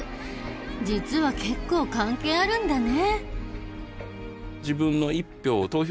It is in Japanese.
実は結構関係あるんだね。